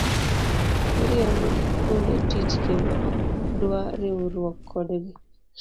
Iriembo gi kuonde tich kendo ok dwa riwruok kodgi.